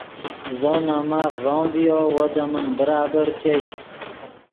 زو نے ماف ݱوم ڤیو وو دے من برابر چش